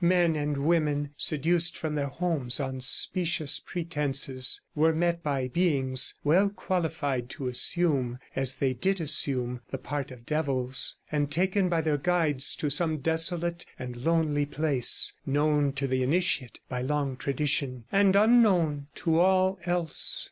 Men and women, seduced from their homes on specious pretences, were met by beings well qualified to assume, as they did assume, the part of devils, and taken by their guides to some desolate and lonely place, known to the initiate by long tradition, and unknown to all else.